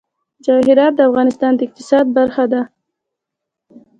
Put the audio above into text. جواهرات د افغانستان د اقتصاد برخه ده.